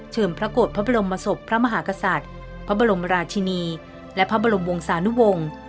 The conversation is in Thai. พระโกรธพระบรมศพพระมหากษัตริย์พระบรมราชินีและพระบรมวงศานุวงศ์